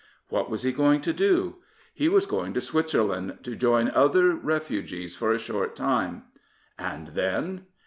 What was he going to do? He was going to Switzerland to join other refugees for a short time, "And then?